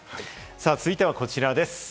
続いてはこちらです。